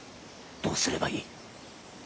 どうすればいい？